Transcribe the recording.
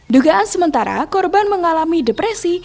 dugaan sementara korban mengalami depresi